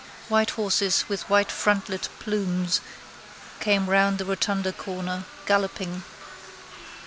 White horses with white frontlet plumes came round the Rotunda corner, galloping.